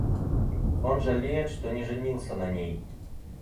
Он жалеет, что не женился на ней.